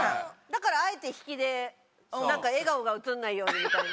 だからあえて引きでなんか笑顔が映んないようにみたいな。